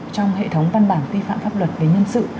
trong hệ thống văn bản quy phạm pháp luật về nhân sự